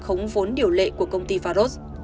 khống vốn điều lệ của công ty farros